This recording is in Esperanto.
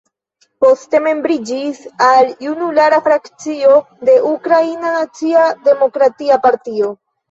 Poste membriĝis al Junulara Frakcio de Ukraina Naci-Demokratia Partio.